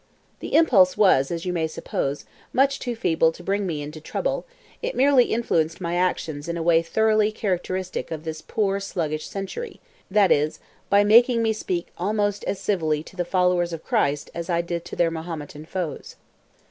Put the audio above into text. The impulse was, as you may suppose, much too feeble to bring me into trouble; it merely influenced my actions in a way thoroughly characteristic of this poor sluggish century, that is, by making me speak almost as civilly to the followers of Christ as I did to their Mahometan foes.